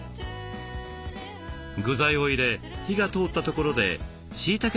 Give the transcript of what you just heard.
具材を入れ火が通ったところでしいだけだしが登場。